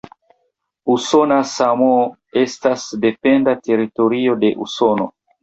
Usona Samoo estas dependa teritorio de Usono.